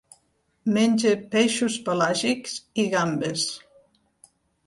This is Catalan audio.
Menja peixos pelàgics i gambes.